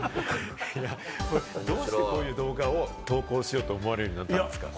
どうしてこういう動画を投稿しようと思われるんですか？